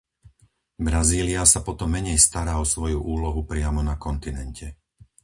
Brazília sa potom menej stará o svoju úlohu priamo na kontinente.